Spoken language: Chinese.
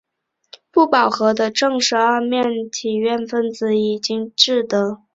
不饱和的正十二面体烷分子也已经制得。